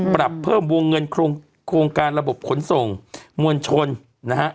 ปรับเพิ่มวงเงินโครงการระบบขนส่งมวลชนนะฮะ